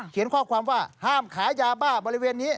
ข้อความว่าห้ามขายยาบ้าบริเวณนี้